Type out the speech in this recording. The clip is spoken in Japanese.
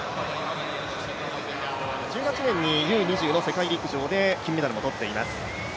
１８年にＵー２０の世界陸上で金メダルを取っています。